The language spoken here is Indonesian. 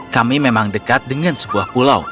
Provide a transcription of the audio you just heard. kami memang dekat dengan sebuah pulau